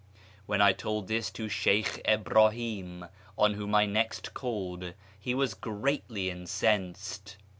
When I told this to Sheykh Ibrahim, on whom I next called, he was greatly incensed.